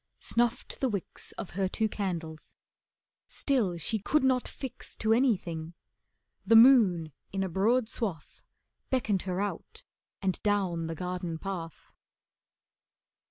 Snuffed the wicks Of her two candles. Still she could not fix To anything. The moon in a broad swath Beckoned her out and down the garden path.